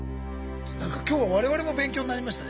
今日は我々も勉強になりましたね。